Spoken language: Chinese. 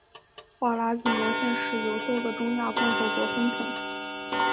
花剌子模现时由多个中亚共和国分统。